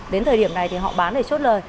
đến thời điểm này thì họ bán để chốt lời